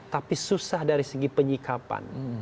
tapi susah dari segi penyikapan